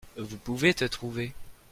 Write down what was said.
Vous pouvez te trouver.